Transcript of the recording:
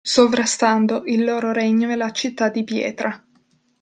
Sovrastando il loro regno e la città di pietra.